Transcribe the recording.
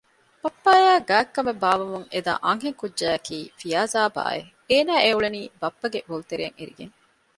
ބައްޕައާ ގާތްކަމެއް ބާއްވަމުން އެދާ އަންހެން ކުއްޖާއަކީ ފިޔާޒާބާއެވެ! އޭނާ އެ އުޅެނީ ބައްޕަގެ ބޮލުތެރެއަށް އެރިގެން